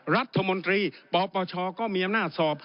รัฐมนตรีปปชก็มีอำนาจสอบ